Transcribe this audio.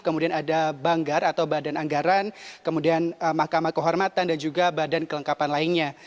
kemudian ada banggar atau badan anggaran kemudian mahkamah kehormatan dan juga badan kelengkapan lainnya